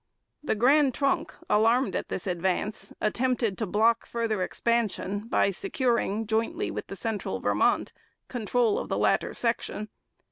The Grand Trunk, alarmed at this advance, attempted to block further expansion by securing, jointly with the Central Vermont, control of the latter section.